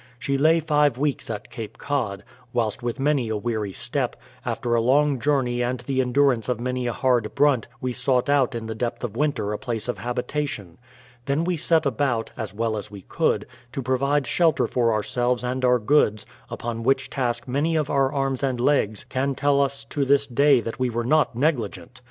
She lay five weeks at Cape Cod, whilst with many a weary step, after a long journey and the en durance of many a hard brunt we sought out in the depth of winter a place of habitation. Then we set about, as well as we could, to provide shelter for ourselves and our goods upon which task many of our arms and legs can tell us to this day that we were not negli " gent!